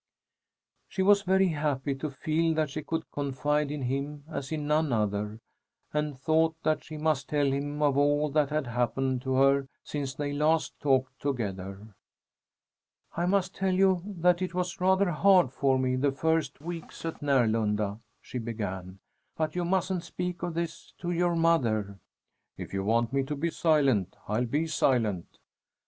She was very happy to feel that she could confide in him, as in none other, and thought that she must tell him of all that had happened to her since they last talked together. "I must tell you that it was rather hard for me the first weeks at Närlunda," she began. "But you mustn't speak of this to your mother." "If you want me to be silent, I'll be silent."